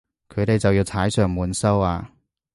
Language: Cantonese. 佢哋就要踩上門收啊